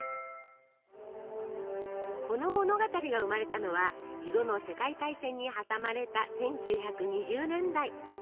この物語が生まれたのは２度の世界大戦に挟まれた１９２０年代。